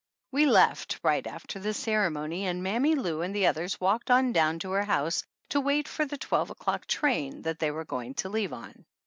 We left right after the ceremony and Mammy Lou and the others walked on down to her house to wait for the twelve o'clock train that they were going to leave on.